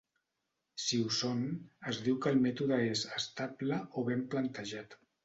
Si ho són, es diu que el mètode és "estable" o "ben plantejat".